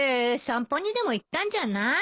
散歩にでも行ったんじゃない？